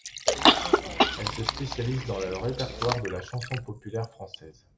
Elle se spécialise dans le répertoire de la chanson populaire française.